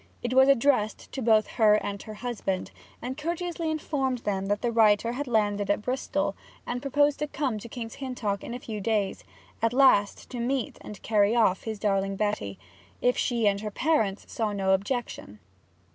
It was addressed to both her and her husband, and courteously informed them that the writer had landed at Bristol, and proposed to come on to King's Hintock in a few days, at last to meet and carry off his darling Betty, if she and her parents saw no objection.